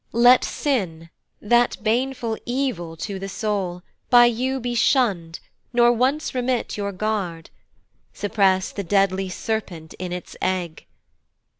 Let sin, that baneful evil to the soul, By you be shun'd, nor once remit your guard; Suppress the deadly serpent in its egg.